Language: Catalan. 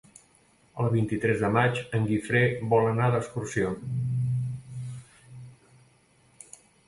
El vint-i-tres de maig en Guifré vol anar d'excursió.